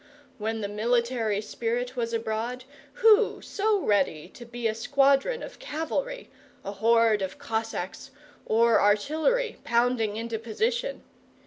When the military spirit was abroad, who so ready to be a squadron of cavalry, a horde of Cossacks, or artillery pounding into position?